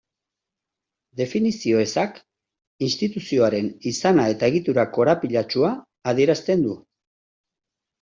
Definizio ezak instituzioaren izana eta egitura korapilatsua adierazten du.